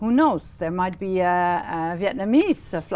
chúng tôi chỉ có một vài ngày đức